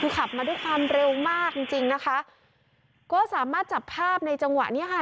คือขับมาด้วยความเร็วมากจริงจริงนะคะก็สามารถจับภาพในจังหวะเนี้ยค่ะ